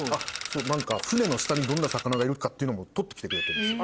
船の下にどんな魚がいるかっていうのも撮ってきてくれてるんですよ。